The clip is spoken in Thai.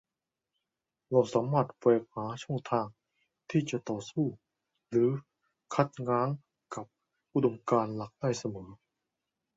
เราสามารถแหวกหาช่องทางที่จะต่อสู้หรือคัดง้างกับอุดมการณ์หลักได้เสมอ